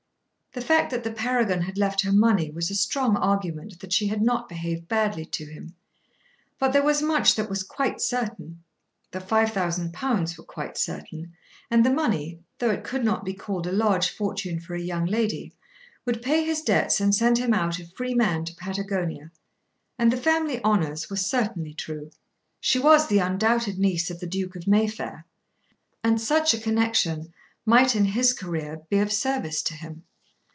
The fact that the Paragon had left her money was a strong argument that she had not behaved badly to him. But there was much that was quite certain. The five thousand pounds were quite certain; and the money, though it could not be called a large fortune for a young lady, would pay his debts and send him out a free man to Patagonia. And the family honours were certainly true. She was the undoubted niece of the Duke of Mayfair, and such a connection might in his career be of service to him.